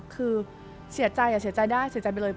คือเสียใจเสียใจได้เสียใจไปเลย